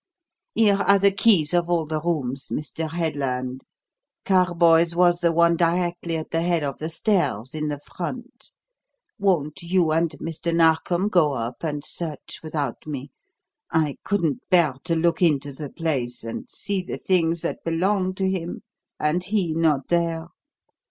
Here are the keys of all the rooms, Mr. Headland. Carboys' was the one directly at the head of the stairs, in the front. Won't you and Mr. Narkom go up and search without me? I couldn't bear to look into the place and see the things that belonged to him and he not there.